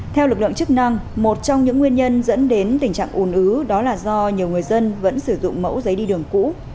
theo lực lượng chức năng một trong những nguyên nhân dẫn đến tình trạng ủn ứ đó là do nhiều người dân vẫn sử dụng mẫu giấy đi đường cũ